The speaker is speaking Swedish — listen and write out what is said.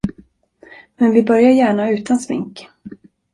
Men vi börjar gärna utan smink.